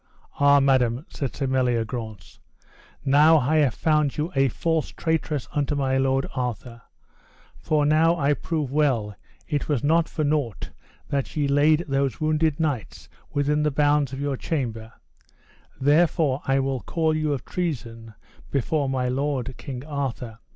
Ah, madam, said Sir Meliagrance, now I have found you a false traitress unto my lord Arthur; for now I prove well it was not for nought that ye laid these wounded knights within the bounds of your chamber; therefore I will call you of treason before my lord, King Arthur.